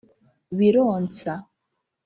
Bironsa